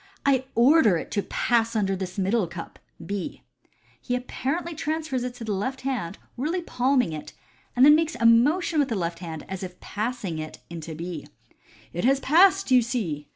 "I order it to pass under this middle cup " (B). He apparently transfers it to the left hind, really palming it, and then makes a motion with the left hand, as if passing it into B. " It has passed, you see